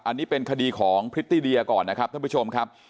อันนี้เป็นคดีของพริตตี้เดียก่อนนะครับท่านผู้ชมครับ